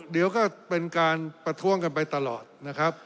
เดี๋ยวก็เป็นการประท้วงกันไปตลอดนะครับ